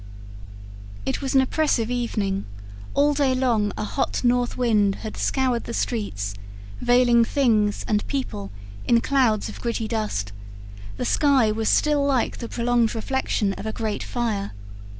It was an oppressive evening: all day long a hot north wind had scoured the streets, veiling things and people in clouds of gritty dust; the sky was still like the prolonged reflection of a great fire.